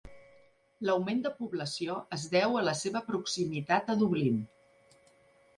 L'augment de població es deu a la seva proximitat a Dublín.